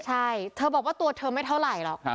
ใช่เธอบอกว่าตัวเธอไม่เท่าไหร่หรอก